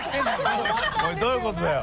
どういうことだよ。